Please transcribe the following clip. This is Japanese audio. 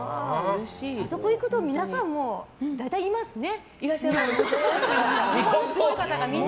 あそこ行くと皆さん大体いますね。